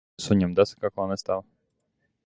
Suņam desa kaklā nestāv.